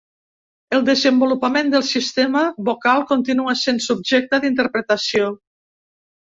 El desenvolupament del sistema vocal continua sent subjecte d'interpretació.